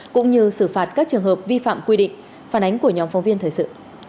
cũng như xử phạt các trường hợp vi phạm quy định phản ánh của nhóm phóng viên thời sự